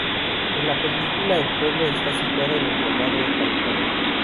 En la película el pueblo está situado en el condado Carburador.